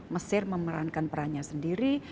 mesir memerankan perannya sendiri